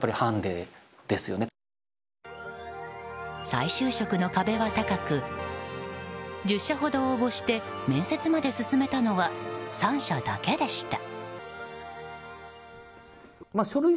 再就職の壁は高く１０社ほど応募して面接まで進めたのは３社だけでした。